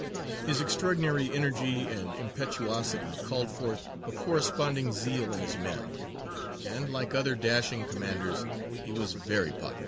His extraordinary energy and impetuosity called forth a corresponding zeal in his men, and, like other dashing commanders, he was very popular.